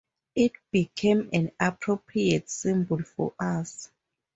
It became an appropriate symbol for us.